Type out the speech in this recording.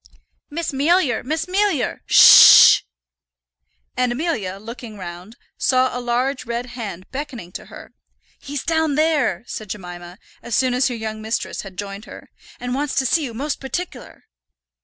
"Miss Mealyer, Miss Mealyer, sh sh sh!" And Amelia, looking round, saw a large red hand beckoning to her. "He's down there," said Jemima, as soon as her young mistress had joined her, "and wants to see you most partic'lar."